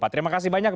terima kasih banyak